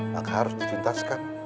maka harus dicintaskan